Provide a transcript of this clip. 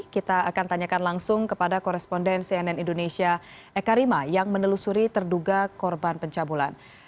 kita akan tanyakan langsung kepada koresponden cnn indonesia eka rima yang menelusuri terduga korban pencabulan